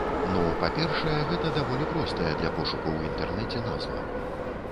Ну, па-першае, гэта даволі простая для пошуку ў інтэрнэце назва.